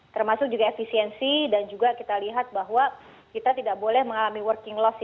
termasuk juga efisiensi dan juga kita lihat bahwa kita tidak boleh mengalami working loss